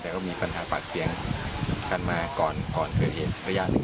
แต่ก็มีปัญหาปากเสียงกันมาก่อนเคยเหตุ